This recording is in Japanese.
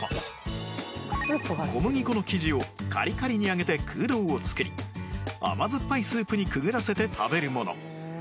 小麦粉の生地をカリカリに揚げて空洞を作り甘酸っぱいスープにくぐらせて食べるもの